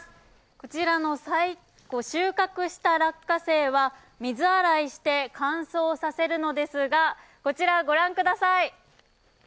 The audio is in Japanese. こちらの収穫した落花生は水洗いして乾燥させるのですがこちらをご覧ください。